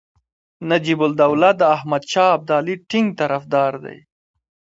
نجیب الدوله د احمدشاه ابدالي ټینګ طرفدار دی.